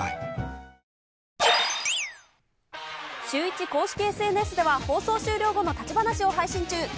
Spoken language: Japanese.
シューイチ公式ＳＮＳでは、放送終了後の立ち話を配信中。